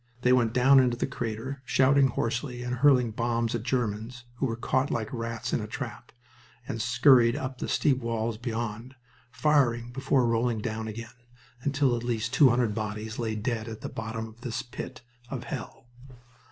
They went down into the crater, shouting hoarsely, and hurling bombs at Germans, who were caught like rats in a trap, and scurried up the steep sides beyond, firing before rolling down again, until at least two hundred bodies lay dead at the bottom of this pit of hell.